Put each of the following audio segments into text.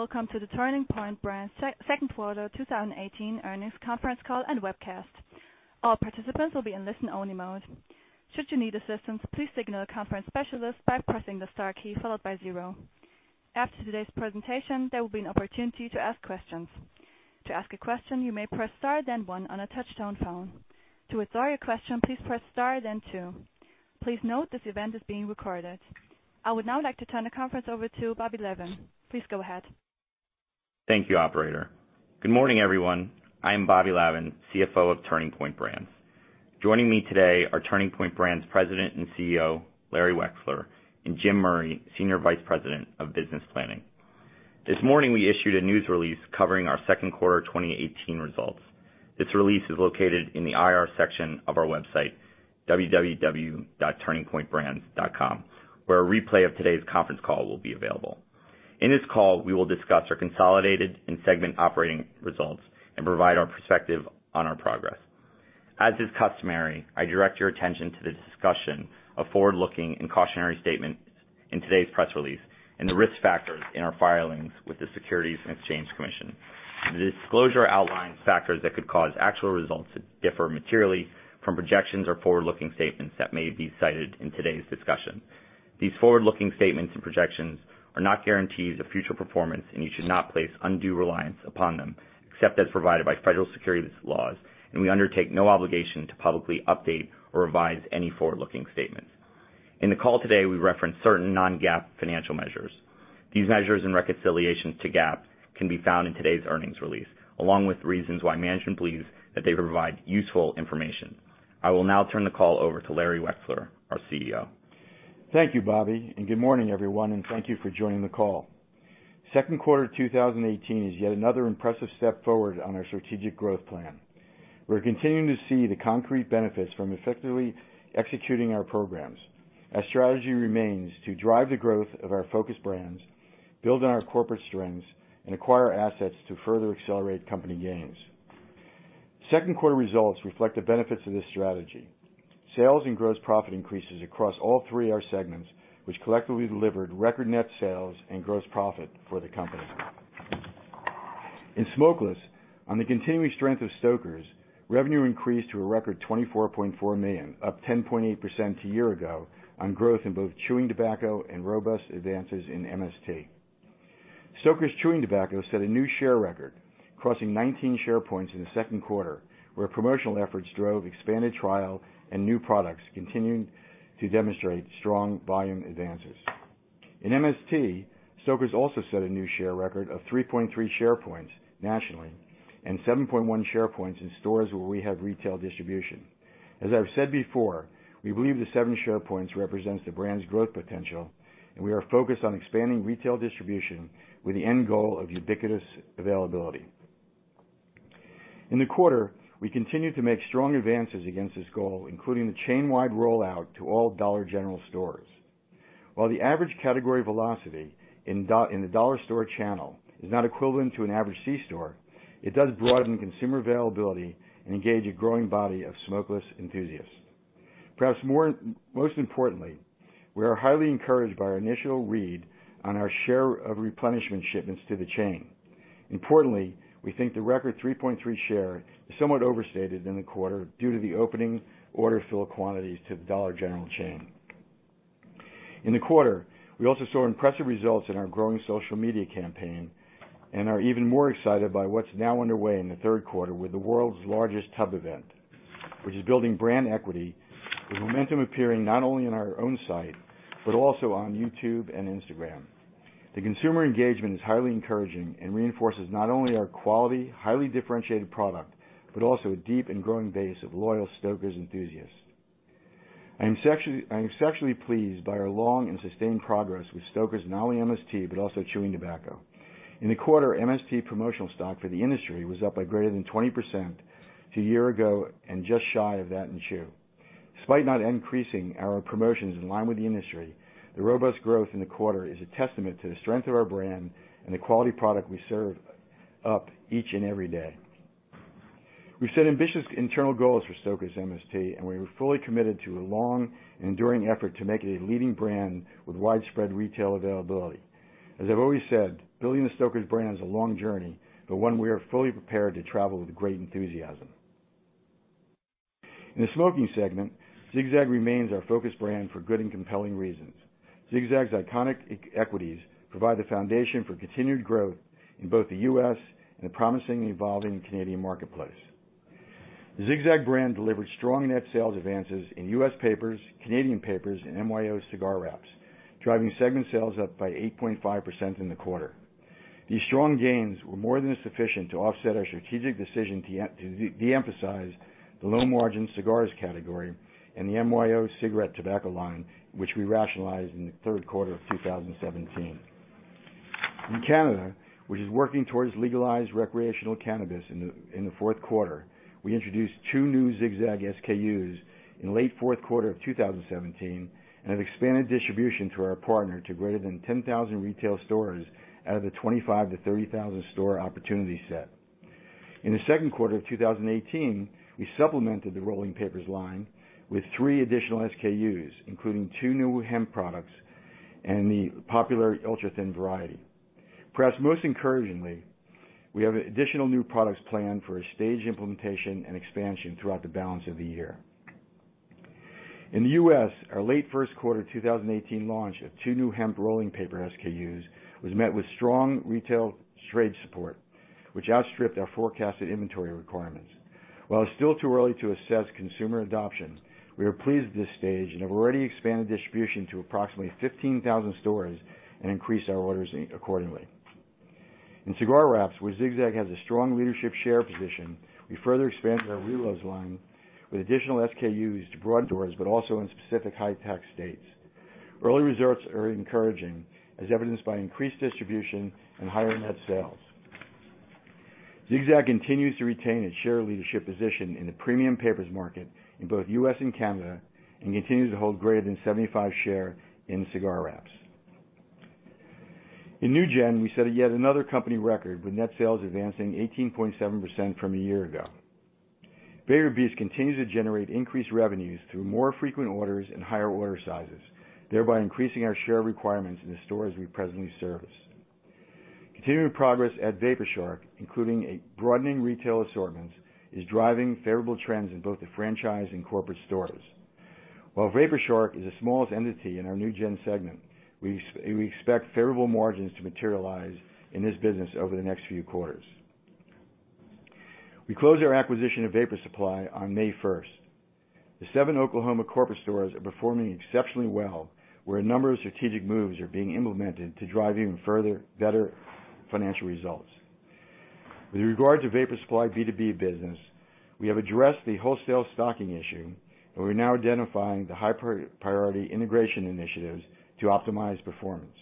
Welcome to the Turning Point Brands second quarter 2018 earnings conference call and webcast. All participants will be in listen-only mode. Should you need assistance, please signal the conference specialist by pressing the star key followed by zero. After today's presentation, there will be an opportunity to ask questions. To ask a question, you may press star then one on a touch-tone phone. To withdraw your question, please press star then two. Please note this event is being recorded. I would now like to turn the conference over to Robert Lavan. Please go ahead. Thank you, operator. Good morning, everyone. I am Robert Lavan, CFO of Turning Point Brands. Joining me today are Turning Point Brands President and CEO, Larry Wexler, and Jim Murray, Senior Vice President of Business Planning. This morning, we issued a news release covering our second quarter 2018 results. This release is located in the IR section of our website, www.turningpointbrands.com, where a replay of today's conference call will be available. In this call, we will discuss our consolidated and segment operating results and provide our perspective on our progress. As is customary, I direct your attention to the discussion of forward-looking and cautionary statements in today's press release and the risk factors in our filings with the Securities and Exchange Commission. The disclosure outlines factors that could cause actual results to differ materially from projections or forward-looking statements that may be cited in today's discussion. These forward-looking statements and projections are not guarantees of future performance. You should not place undue reliance upon them except as provided by federal securities laws. We undertake no obligation to publicly update or revise any forward-looking statements. In the call today, we reference certain non-GAAP financial measures. These measures and reconciliations to GAAP can be found in today's earnings release, along with reasons why management believes that they provide useful information. I will now turn the call over to Larry Wexler, our CEO. Thank you, Bobby. Good morning, everyone. Thank you for joining the call. Second quarter 2018 is yet another impressive step forward on our strategic growth plan. We're continuing to see the concrete benefits from effectively executing our programs. Our strategy remains to drive the growth of our focus brands, build on our corporate strengths, and acquire assets to further accelerate company gains. Second quarter results reflect the benefits of this strategy. Sales and gross profit increases across all three of our segments, which collectively delivered record net sales and gross profit for the company. In smokeless, on the continuing strength of Stoker's, revenue increased to a record $24.4 million, up 10.8% to a year ago on growth in both chewing tobacco and robust advances in MST. Stoker's chewing tobacco set a new share record, crossing 19 share points in the second quarter, where promotional efforts drove expanded trial and new products continuing to demonstrate strong volume advances. In MST, Stoker's also set a new share record of 3.3 share points nationally and 7.1 share points in stores where we have retail distribution. As I've said before, we believe the seven share points represents the brand's growth potential. We are focused on expanding retail distribution with the end goal of ubiquitous availability. In the quarter, we continued to make strong advances against this goal, including the chain-wide rollout to all Dollar General stores. While the average category velocity in the dollar store channel is not equivalent to an average C store, it does broaden consumer availability and engage a growing body of smokeless enthusiasts. Perhaps most importantly, we are highly encouraged by our initial read on our share of replenishment shipments to the chain. Importantly, we think the record 3.3 share is somewhat overstated in the quarter due to the opening order fill quantities to the Dollar General chain. In the quarter, we also saw impressive results in our growing social media campaign. We are even more excited by what's now underway in the third quarter with the world's largest tub event, which is building brand equity with momentum appearing not only on our own site, but also on YouTube and Instagram. The consumer engagement is highly encouraging and reinforces not only our quality, highly differentiated product, but also a deep and growing base of loyal Stoker's enthusiasts. I am exceptionally pleased by our long and sustained progress with Stoker's, not only MST, but also chewing tobacco. In the quarter, MST promotional stock for the industry was up by greater than 20% to a year ago. Just shy of that in chew. Despite not increasing our promotions in line with the industry, the robust growth in the quarter is a testament to the strength of our brand and the quality product we serve up each and every day. We set ambitious internal goals for Stoker's MST. We are fully committed to a long and enduring effort to make it a leading brand with widespread retail availability. As I've always said, building the Stoker's brand is a long journey. One we are fully prepared to travel with great enthusiasm. In the smoking segment, Zig-Zag remains our focus brand for good and compelling reasons. Zig-Zag's iconic equities provide the foundation for continued growth in both the U.S. and the promising, evolving Canadian marketplace. The Zig-Zag brand delivered strong net sales advances in U.S. papers, Canadian papers, and MYO cigar wraps, driving segment sales up by 8.5% in the quarter. These strong gains were more than sufficient to offset our strategic decision to de-emphasize the low-margin cigars category and the MYO cigarette tobacco line, which we rationalized in the third quarter of 2017. In Canada, which is working towards legalized recreational cannabis in the fourth quarter, we introduced two new Zig-Zag SKUs in late fourth quarter of 2017. We have expanded distribution to our partner to greater than 10,000 retail stores out of the 25,000 to 30,000 store opportunity set. In the second quarter of 2018, we supplemented the rolling papers line with three additional SKUs, including two new hemp products and the popular ultra-thin variety. Perhaps most encouragingly, we have additional new products planned for a staged implementation and expansion throughout the balance of the year. In the U.S., our late first quarter 2018 launch of two new hemp rolling paper SKUs was met with strong retail trade support, which outstripped our forecasted inventory requirements. While it's still too early to assess consumer adoption, we are pleased at this stage and have already expanded distribution to approximately 15,000 stores and increased our orders accordingly. In cigar wraps, where Zig-Zag has a strong leadership share position, we further expanded our reloads line with additional SKUs to broad doors, but also in specific high tax states. Early results are encouraging, as evidenced by increased distribution and higher net sales. Zig-Zag continues to retain its share leadership position in the premium papers market in both U.S. and Canada and continues to hold greater than 75% share in cigar wraps. In New Gen, we set yet another company record, with net sales advancing 18.7% from a year ago. VaporBeast continues to generate increased revenues through more frequent orders and higher order sizes, thereby increasing our share requirements in the stores we presently service. Continuing progress at VaporShark, including a broadening retail assortment, is driving favorable trends in both the franchise and corporate stores. While VaporShark is the smallest entity in our New Gen segment, we expect favorable margins to materialize in this business over the next few quarters. We closed our acquisition of Vapor Supply on May 1st. The seven Oklahoma corporate stores are performing exceptionally well, where a number of strategic moves are being implemented to drive even further better financial results. With regard to Vapor Supply B2B business, we have addressed the wholesale stocking issue, and we're now identifying the high priority integration initiatives to optimize performance.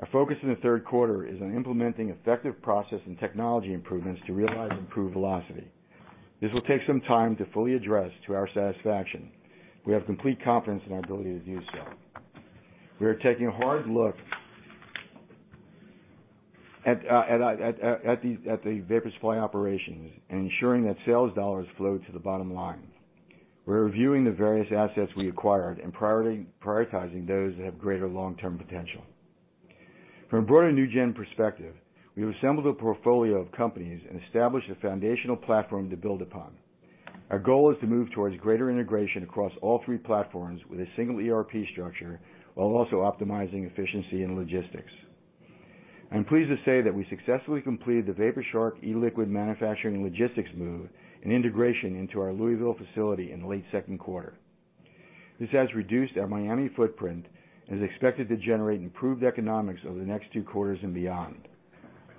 Our focus in the third quarter is on implementing effective process and technology improvements to realize improved velocity. This will take some time to fully address to our satisfaction. We have complete confidence in our ability to do so. We are taking a hard look at the Vapor Supply operations and ensuring that sales dollars flow to the bottom line. We're reviewing the various assets we acquired and prioritizing those that have greater long-term potential. From a broader New Gen perspective, we have assembled a portfolio of companies and established a foundational platform to build upon. Our goal is to move towards greater integration across all three platforms with a single ERP structure, while also optimizing efficiency and logistics. I'm pleased to say that we successfully completed the VaporShark e-liquid manufacturing logistics move and integration into our Louisville facility in the late second quarter. This has reduced our Miami footprint and is expected to generate improved economics over the next two quarters and beyond.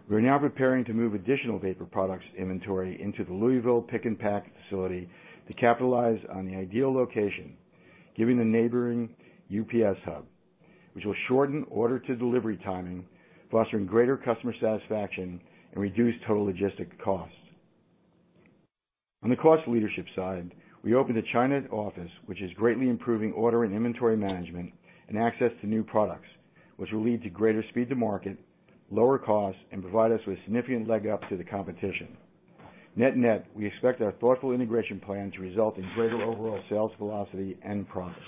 We are now preparing to move additional vapor products inventory into the Louisville pick and pack facility to capitalize on the ideal location, given the neighboring UPS hub, which will shorten order to delivery timing, fostering greater customer satisfaction, and reduce total logistic costs. On the cost leadership side, we opened a China office, which is greatly improving order and inventory management, and access to new products, which will lead to greater speed to market, lower costs, and provide us with a significant leg up to the competition. Net net, we expect our thoughtful integration plan to result in greater overall sales velocity and profits.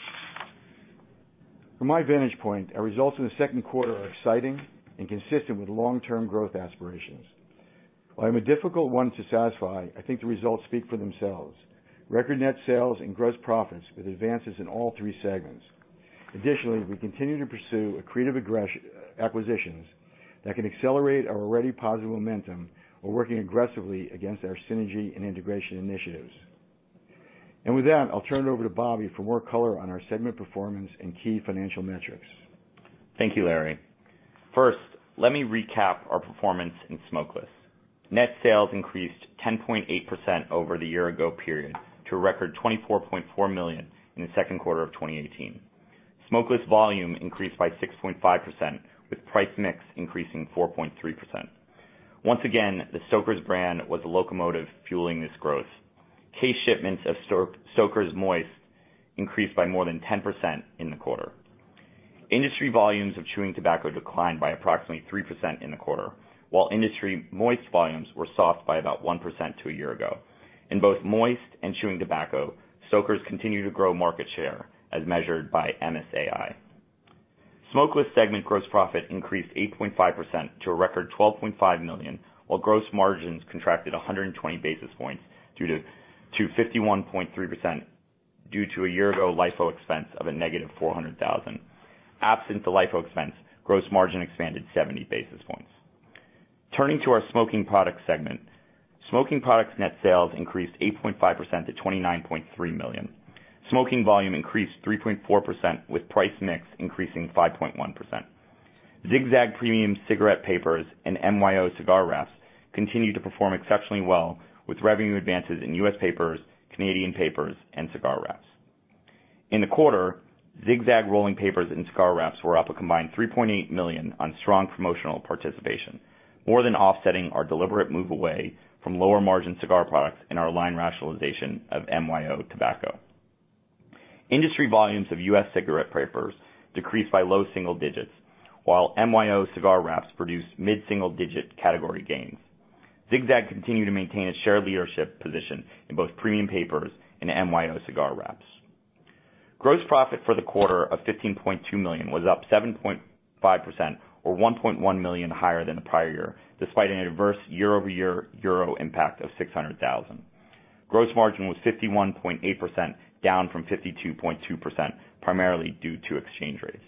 From my vantage point, our results in the second quarter are exciting and consistent with long-term growth aspirations. While I'm a difficult one to satisfy, I think the results speak for themselves. Record net sales and gross profits with advances in all three segments. Additionally, we continue to pursue accretive acquisitions that can accelerate our already positive momentum while working aggressively against our synergy and integration initiatives. With that, I'll turn it over to Bobby for more color on our segment performance and key financial metrics. Thank you, Larry. First, let me recap our performance in Smokeless. Net sales increased 10.8% over the year ago period to a record $24.4 million in the second quarter of 2018. Smokeless volume increased by 6.5%, with price mix increasing 4.3%. Once again, the Stoker's brand was the locomotive fueling this growth. Case shipments of Stoker's Moist increased by more than 10% in the quarter. Industry volumes of chewing tobacco declined by approximately 3% in the quarter, while industry moist volumes were soft by about 1% to a year ago. In both moist and chewing tobacco, Stoker's continued to grow market share as measured by MSAi. Smokeless segment gross profit increased 8.5% to a record $12.5 million, while gross margins contracted 120 basis points to 51.3% due to a year-ago LIFO expense of a negative $400,000. Absent the LIFO expense, gross margin expanded 70 basis points. Turning to our Smoking Products segment, Smoking Products net sales increased 8.5% to $29.3 million. Smoking volume increased 3.4%, with price mix increasing 5.1%. Zig-Zag premium cigarette papers and MYO cigar wraps continued to perform exceptionally well, with revenue advances in U.S. papers, Canadian papers, and cigar wraps. In the quarter, Zig-Zag rolling papers and cigar wraps were up a combined $3.8 million on strong promotional participation, more than offsetting our deliberate move away from lower margin cigar products in our line rationalization of MYO Tobacco. Industry volumes of U.S. cigarette papers decreased by low single digits, while MYO cigar wraps produced mid-single digit category gains. Zig-Zag continued to maintain its shared leadership position in both premium papers and MYO cigar wraps. Gross profit for the quarter of $15.2 million was up 7.5%, or $1.1 million higher than the prior year, despite an adverse year-over-year EUR impact of 600,000. Gross margin was 51.8%, down from 52.2%, primarily due to exchange rates.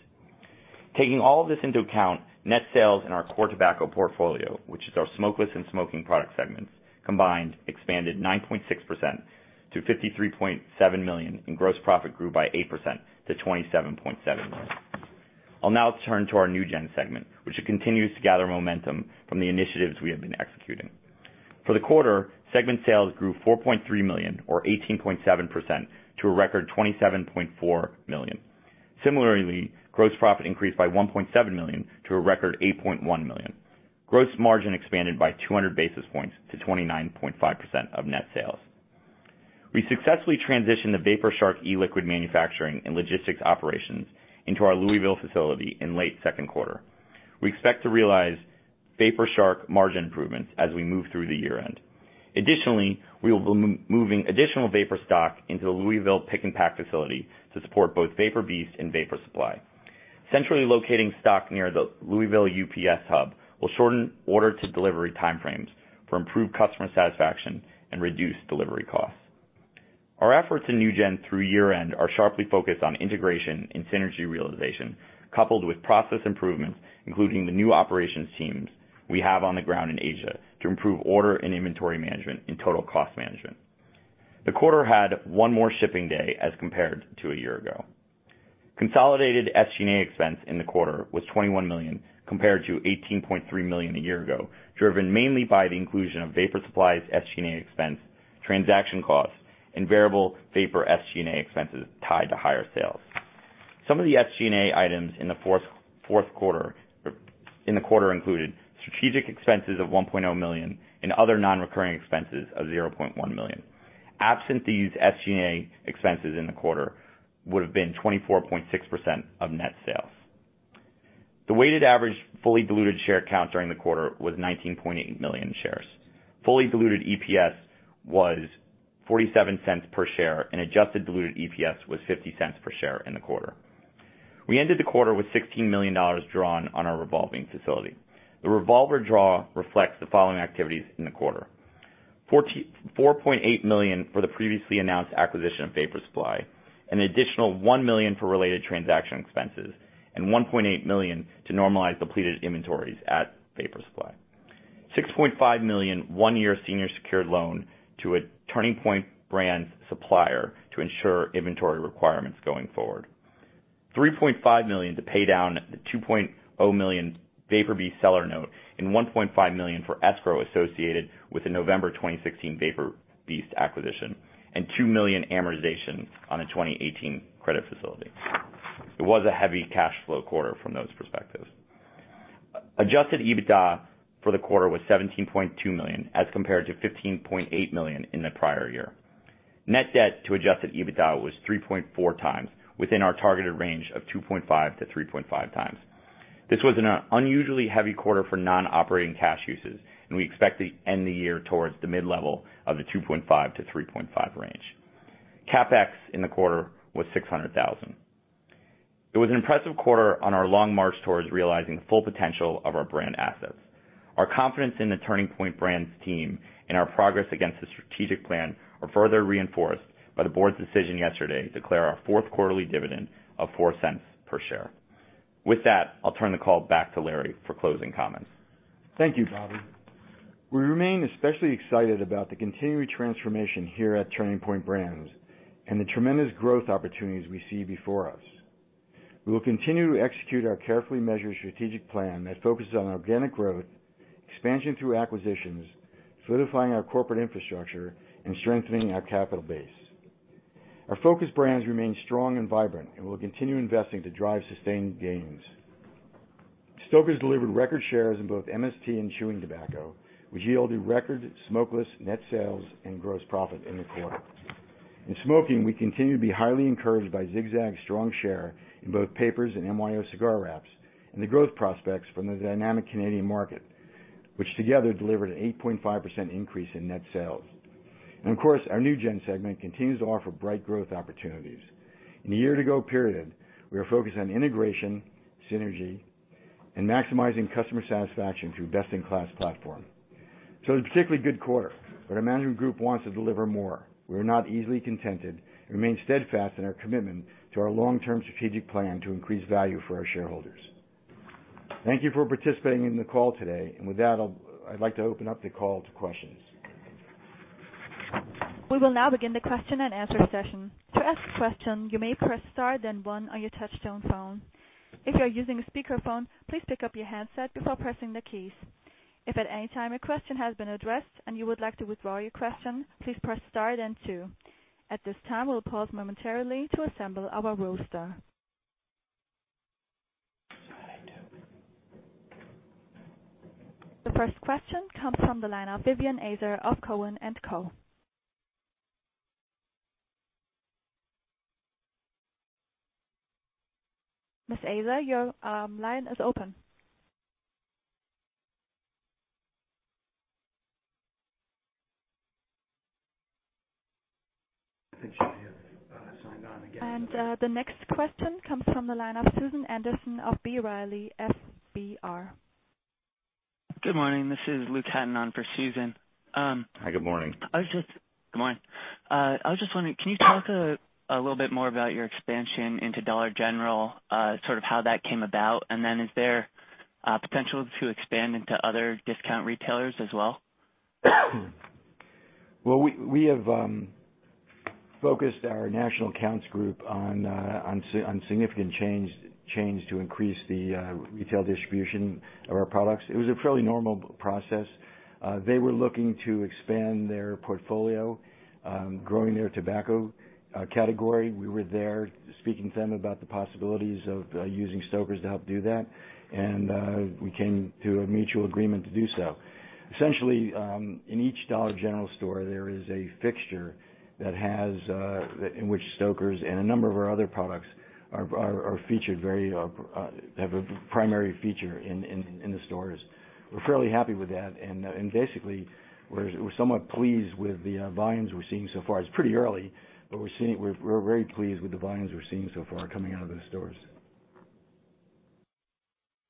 Taking all of this into account, net sales in our core tobacco portfolio, which is our Smokeless and Smoking Products segments, combined, expanded 9.6% to $53.7 million, and gross profit grew by 8% to $27.7 million. I'll now turn to our New Gen segment, which continues to gather momentum from the initiatives we have been executing. For the quarter, segment sales grew $4.3 million or 18.7% to a record $27.4 million. Similarly, gross profit increased by $1.7 million to a record $8.1 million. Gross margin expanded by 200 basis points to 29.5% of net sales. We successfully transitioned the VaporShark e-liquid manufacturing and logistics operations into our Louisville facility in late second quarter. We expect to realize VaporShark margin improvements as we move through the year-end. Additionally, we will be moving additional vapor stock into the Louisville pick and pack facility to support both VaporBeast and Vapor Supply. Centrally locating stock near the Louisville UPS hub will shorten order to delivery time frames for improved customer satisfaction and reduced delivery costs. Our efforts in New Gen through year-end are sharply focused on integration and synergy realization, coupled with process improvements, including the new operations teams we have on the ground in Asia to improve order and inventory management and total cost management. The quarter had one more shipping day as compared to a year ago. Consolidated SG&A expense in the quarter was $21 million, compared to $18.3 million a year ago, driven mainly by the inclusion of Vapor Supply's SG&A expense, transaction costs, and variable vapor SG&A expenses tied to higher sales. Some of the SG&A items in the quarter included strategic expenses of $1.0 million and other non-recurring expenses of $0.1 million. Absent these SG&A expenses in the quarter would have been 24.6% of net sales. The weighted average fully diluted share count during the quarter was 19.8 million shares. Fully diluted EPS was $0.47 per share, and adjusted diluted EPS was $0.50 per share in the quarter. We ended the quarter with $16 million drawn on our revolving facility. The revolver draw reflects the following activities in the quarter: $4.8 million for the previously announced acquisition of Vapor Supply, an additional $1 million for related transaction expenses, and $1.8 million to normalize depleted inventories at Vapor Supply. $6.5 million one-year senior secured loan to a Turning Point Brands supplier to ensure inventory requirements going forward. $3.5 million to pay down the $2.0 million VaporBeast seller note and $1.5 million for escrow associated with the November 2016 VaporBeast acquisition and $2 million amortization on a 2018 credit facility. It was a heavy cash flow quarter from those perspectives. Adjusted EBITDA for the quarter was $17.2 million as compared to $15.8 million in the prior year. Net debt to adjusted EBITDA was 3.4 times within our targeted range of 2.5-3.5 times. This was an unusually heavy quarter for non-operating cash uses, and we expect to end the year towards the mid-level of the 2.5-3.5 range. CapEx in the quarter was $600,000. It was an impressive quarter on our long march towards realizing the full potential of our brand assets. Our confidence in the Turning Point Brands team and our progress against the strategic plan are further reinforced by the board's decision yesterday to declare our fourth quarterly dividend of $0.04 per share. With that, I'll turn the call back to Larry for closing comments. Thank you, Bobby. We remain especially excited about the continuing transformation here at Turning Point Brands and the tremendous growth opportunities we see before us. We will continue to execute our carefully measured strategic plan that focuses on organic growth, expansion through acquisitions, solidifying our corporate infrastructure, and strengthening our capital base. Our focus brands remain strong and vibrant and will continue investing to drive sustained gains. Stoker's delivered record shares in both MST and chewing tobacco, which yielded record smokeless net sales and gross profit in the quarter. In smoking, we continue to be highly encouraged by Zig-Zag's strong share in both papers and MYO cigar wraps and the growth prospects from the dynamic Canadian market, which together delivered an 8.5% increase in net sales. Of course, our New Gen segment continues to offer bright growth opportunities. In the year-to-go period, we are focused on integration, synergy, and maximizing customer satisfaction through best-in-class platform. It's a particularly good quarter, but our management group wants to deliver more. We're not easily contented and remain steadfast in our commitment to our long-term strategic plan to increase value for our shareholders. Thank you for participating in the call today. With that, I'd like to open up the call to questions. We will now begin the question and answer session. To ask a question, you may press star then one on your touchtone phone. If you are using a speakerphone, please pick up your handset before pressing the keys. If at any time your question has been addressed and you would like to withdraw your question, please press star then two. At this time, we'll pause momentarily to assemble our roster The first question comes from the line of Vivien Azer of Cowen and Company. Ms. Azer, your line is open. I think she has signed on again. The next question comes from the line of Susan Anderson of B. Riley FBR. Good morning. This is Luke Hatton on for Susan. Hi, good morning. Good morning. I was just wondering, can you talk a little bit more about your expansion into Dollar General, how that came about? Is there potential to expand into other discount retailers as well? Well, we have focused our national accounts group on significant change to increase the retail distribution of our products. It was a fairly normal process. They were looking to expand their portfolio, growing their tobacco category. We were there speaking to them about the possibilities of using Stoker's to help do that. We came to a mutual agreement to do so. Essentially, in each Dollar General store, there is a fixture in which Stoker's and a number of our other products have a primary feature in the stores. We're fairly happy with that, and basically, we're somewhat pleased with the volumes we're seeing so far. It's pretty early, but we're very pleased with the volumes we're seeing so far coming out of those stores.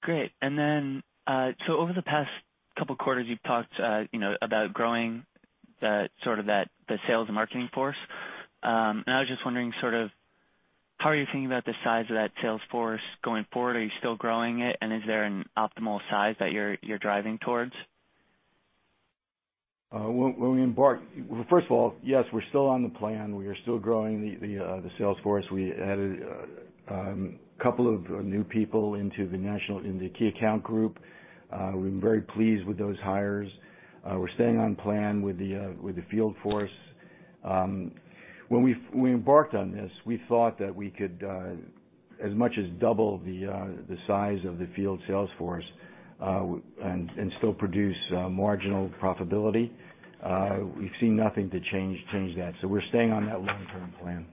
Great. Over the past couple of quarters, you've talked about growing the sales and marketing force. I was just wondering, how are you thinking about the size of that sales force going forward? Are you still growing it? Is there an optimal size that you're driving towards? First of all, yes, we're still on the plan. We are still growing the sales force. We added a couple of new people into the key account group. We've been very pleased with those hires. We're staying on plan with the field force. When we embarked on this, we thought that we could as much as double the size of the field sales force, and still produce marginal profitability. We've seen nothing to change that. We're staying on that long-term plan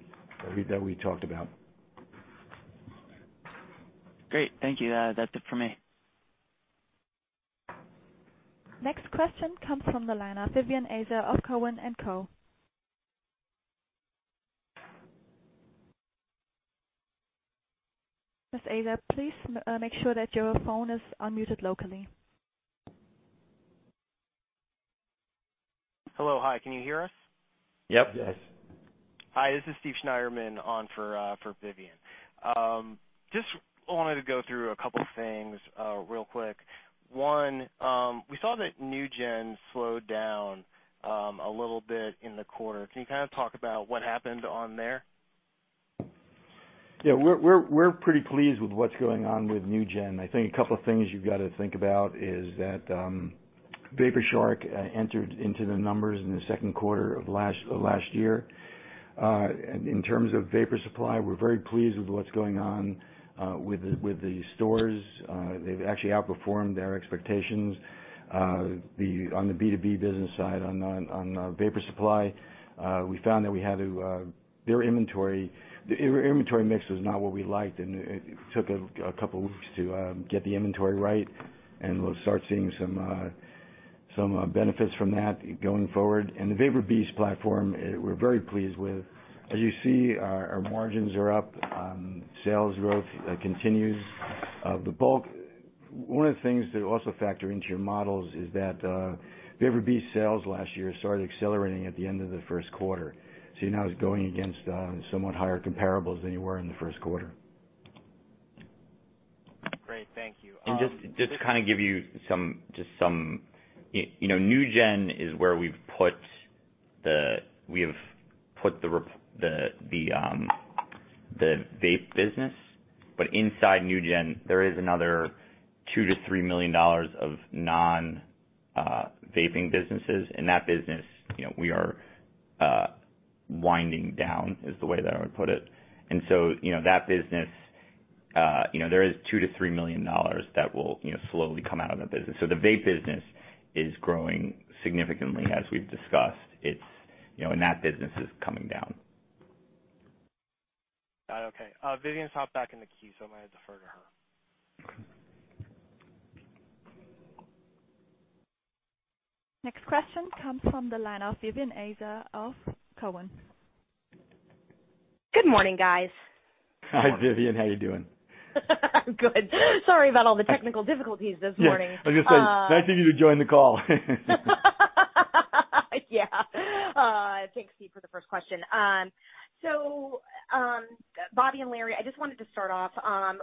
that we talked about. Great. Thank you. That's it for me. Next question comes from the line of Vivien Azer of Cowen and Company. Ms. Azer, please make sure that your phone is unmuted locally. Hello. Hi, can you hear us? Yep. Yes. Hi, this is Steven Schneiderman on for Vivien. Just wanted to go through a couple things real quick. One, we saw that New Gen slowed down a little bit in the quarter. Can you talk about what happened on there? Yeah. We're pretty pleased with what's going on with New Gen. I think a couple of things you've got to think about is that VaporShark entered into the numbers in the second quarter of last year. In terms of Vapor Supply, we're very pleased with what's going on with the stores. They've actually outperformed their expectations. On the B2B business side, on Vapor Supply, we found that their inventory mix was not what we liked, and it took a couple weeks to get the inventory right, and we'll start seeing some benefits from that going forward. The VaporBeast platform, we're very pleased with. As you see, our margins are up. Sales growth continues. One of the things to also factor into your models is that VaporBeast sales last year started accelerating at the end of the first quarter. Now it's going against somewhat higher comparables than you were in the first quarter. Great. Thank you. Just to give you some. New Gen is where we've put the vape business. Inside New Gen, there is another $2 million to $3 million of non-vaping businesses. That business, we are winding down, is the way that I would put it. That business, there is $2 million to $3 million that will slowly come out of that business. The vape business is growing significantly, as we've discussed, and that business is coming down. Got it. Okay. Vivien's hopped back in the queue, I might defer to her. Next question comes from the line of Vivien Azer of Cowen. Good morning, guys. Hi, Vivien. How are you doing? Good. Sorry about all the technical difficulties this morning. Yeah. I was going to say, it's nice of you to join the call. Yeah. Thanks, Steve, for the first question. Bobby and Larry, I just wanted to start off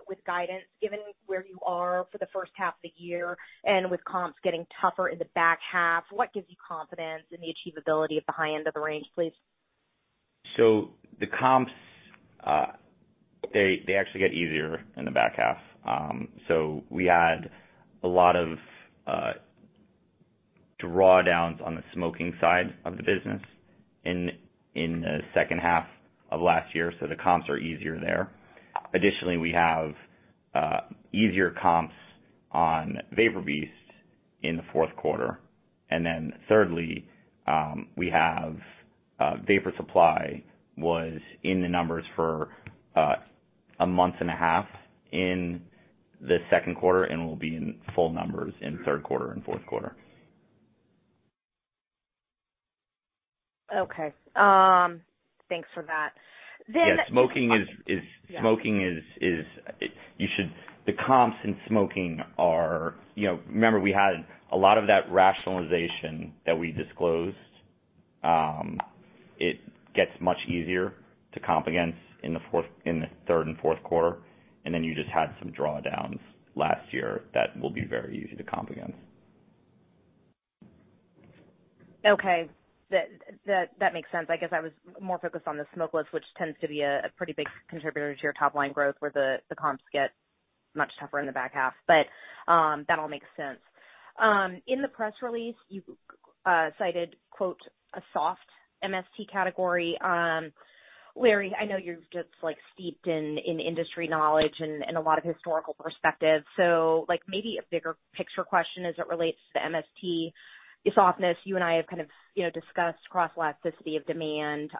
with guidance, given where you are for the first half of the year, and with comps getting tougher in the back half, what gives you confidence in the achievability of the high end of the range, please? The comps, they actually get easier in the back half. We had a lot of Drawdowns on the smoking side of the business in the second half of last year, so the comps are easier there. Additionally, we have easier comps on VaporBeast in the fourth quarter. Thirdly, we have Vapor Supply was in the numbers for a month and a half in the second quarter, and will be in full numbers in third quarter and fourth quarter. Okay. Thanks for that. Yeah. The comps in smoking. Remember, we had a lot of that rationalization that we disclosed. It gets much easier to comp against in the third and fourth quarter, you just had some drawdowns last year that will be very easy to comp against. Okay. That makes sense. I guess I was more focused on the smokeless, which tends to be a pretty big contributor to your top-line growth, where the comps get much tougher in the back half. That all makes sense. In the press release, you cited, quote, "a soft MST category." Larry, I know you're just steeped in industry knowledge and a lot of historical perspective. Maybe a bigger picture question as it relates to the MST softness. You and I have discussed cross-elasticity of demand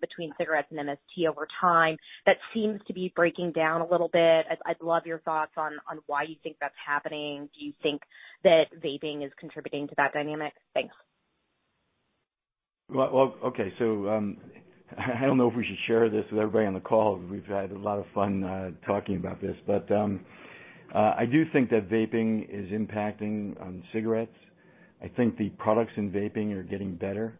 between cigarettes and MST over time. That seems to be breaking down a little bit. I'd love your thoughts on why you think that's happening. Do you think that vaping is contributing to that dynamic? Thanks. Well, okay. I don't know if we should share this with everybody on the call. We've had a lot of fun talking about this. I do think that vaping is impacting cigarettes. I think the products in vaping are getting better,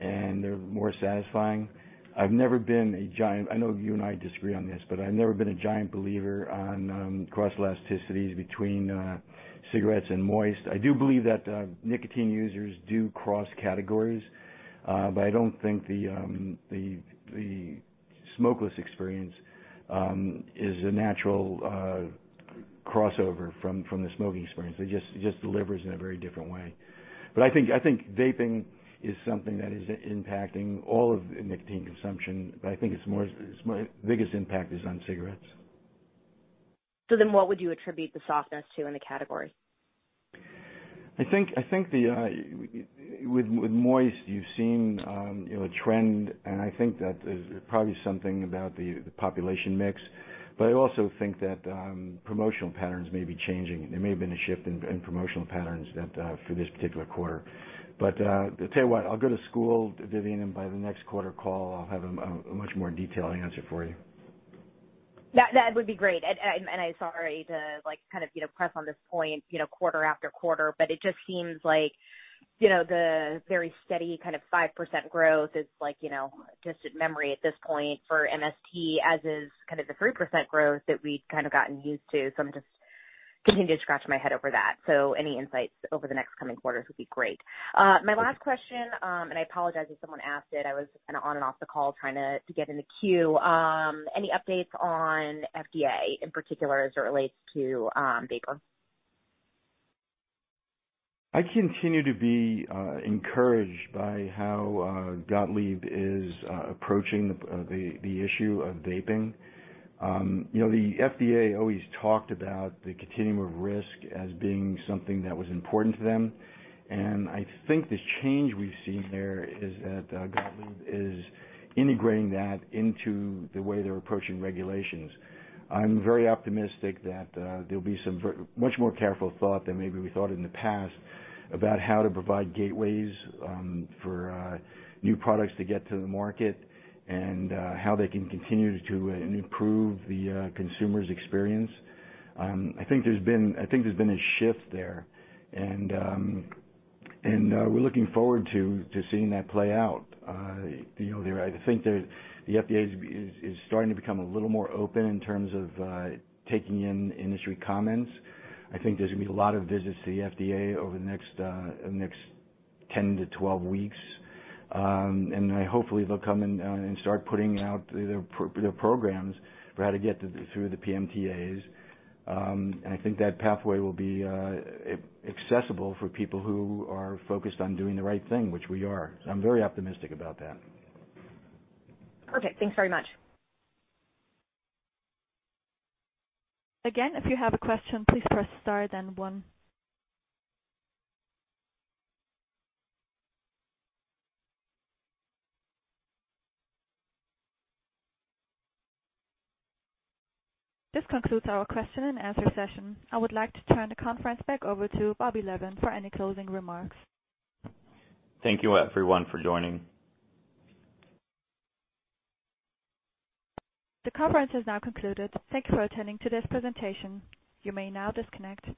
and they're more satisfying. I know you and I disagree on this, but I've never been a giant believer on cross-elasticities between cigarettes and moist. I do believe that nicotine users do cross categories, but I don't think the smokeless experience is a natural crossover from the smoking experience. It just delivers in a very different way. I think vaping is something that is impacting all of nicotine consumption, but I think its biggest impact is on cigarettes. What would you attribute the softness to in the category? I think with moist, you've seen a trend, and I think that there's probably something about the population mix, but I also think that promotional patterns may be changing. There may have been a shift in promotional patterns for this particular quarter. I'll tell you what, I'll go to school, Vivien, and by the next quarter call, I'll have a much more detailed answer for you. That would be great. I'm sorry to press on this point quarter after quarter, but it just seems like the very steady 5% growth is a distant memory at this point for MST, as is the 3% growth that we'd gotten used to. I'm just continuing to scratch my head over that. Any insights over the next coming quarters would be great. My last question, and I apologize if someone asked it, I was on and off the call trying to get in the queue. Any updates on FDA in particular as it relates to vaping? I continue to be encouraged by how Gottlieb is approaching the issue of vaping. The FDA always talked about the continuum of risk as being something that was important to them, and I think the change we've seen there is that Gottlieb is integrating that into the way they're approaching regulations. I'm very optimistic that there'll be some much more careful thought than maybe we thought in the past about how to provide gateways for new products to get to the market and how they can continue to improve the consumer's experience. I think there's been a shift there, and we're looking forward to seeing that play out. I think the FDA is starting to become a little more open in terms of taking in industry comments. I think there's going to be a lot of visits to the FDA over the next 10 to 12 weeks. Hopefully they'll come and start putting out their programs for how to get through the PMTAs. I think that pathway will be accessible for people who are focused on doing the right thing, which we are. I'm very optimistic about that. Perfect. Thanks very much. Again, if you have a question, please press star then one. This concludes our question and answer session. I would like to turn the conference back over to Robert Lavan for any closing remarks. Thank you everyone for joining. The conference is now concluded. Thank you for attending today's presentation. You may now disconnect.